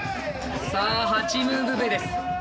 さあ８ムーブ目です。